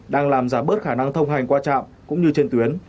đang làm giảm bớt khả năng thông hành qua trạm cũng như trên tuyến